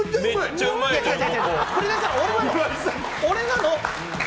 俺なの！